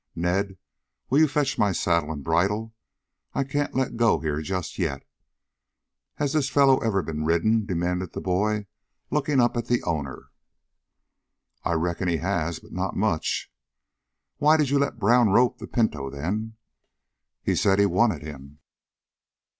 "Ned, will you fetch my saddle and bridle? I can't let go here just yet. Has this fellow ever been ridden?" demanded the boy, looking up at the owner. "I reckon he has, but not much." "Why did you let Brown rope the pinto, then?" "He said he wanted him."